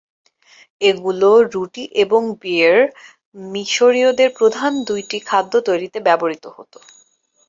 এগুলো রুটি এবং বিয়ার, মিশরীয়দের প্রধান দুইটি খাদ্য তৈরিতে ব্যবহৃত হত।